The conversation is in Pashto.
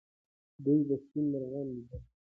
دوی به سپین مرغان لیدل.